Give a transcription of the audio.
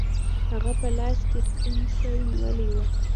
هغه په لاس کې سپین شی نیولی و.